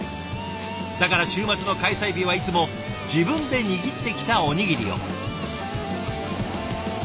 だから週末の開催日はいつも自分で握ってきたおにぎりを。